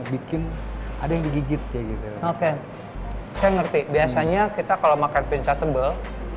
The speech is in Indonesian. bikin ada yang digigit kayak gitu oke saya ngerti biasanya kita kalau makan pizza tebel